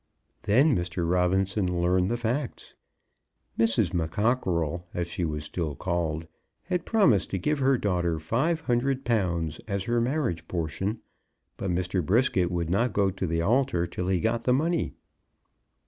Then Mr. Robinson learned the facts. Mrs. McCockerell, as she was still called, had promised to give her daughter five hundred pounds as her marriage portion, but Mr. Brisket would not go to the altar till he got the money.